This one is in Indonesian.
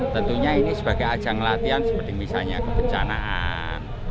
tentunya ini sebagai ajang latihan seperti misalnya kebencanaan